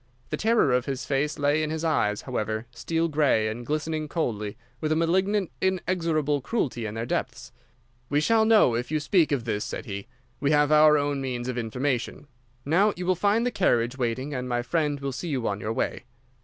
The terror of his face lay in his eyes, however, steel grey, and glistening coldly with a malignant, inexorable cruelty in their depths. "'We shall know if you speak of this,' said he. 'We have our own means of information. Now you will find the carriage waiting, and my friend will see you on your way.